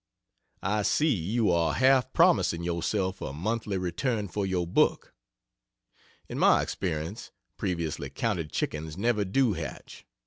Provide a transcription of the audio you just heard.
I see you are half promising yourself a monthly return for your book. In my experience, previously counted chickens never do hatch.